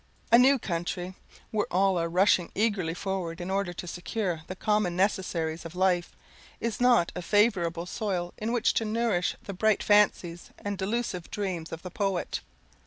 A new country, where all are rushing eagerly forward in order to secure the common necessaries of life, is not a favourable soil in which to nourish the bright fancies and delusive dreams of the poet.